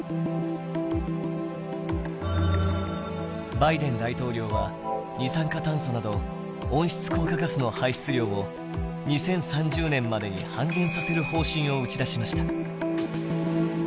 バイデン大統領は二酸化炭素など温室効果ガスの排出量を２０３０年までに半減させる方針を打ち出しました。